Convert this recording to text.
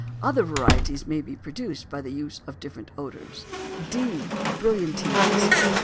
Other varieties may be produced by the use of different odors. D. Brillantines.